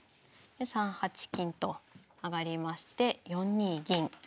で３八金と上がりまして４二銀。